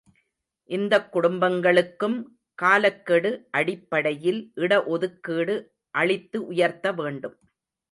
இந்தக் குடும்பங்களுக்கும் காலக்கெடு அடிப்படையில் இடஒதுக்கீடு அளித்து உயர்த்த வேண்டும்.